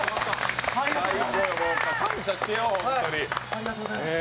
ありがとうございます！